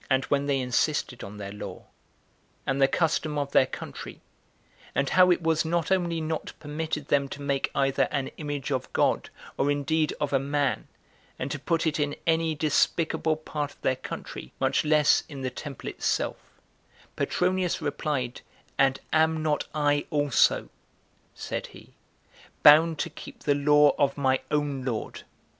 4. And when they insisted on their law, and the custom of their country, and how it was not only not permitted them to make either an image of God, or indeed of a man, and to put it in any despicable part of their country, much less in the temple itself, Petronius replied, "And am not I also," said he, "bound to keep the law of my own lord?